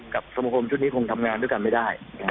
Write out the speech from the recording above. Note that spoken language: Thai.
สมคมชุดนี้คงทำงานด้วยกันไม่ได้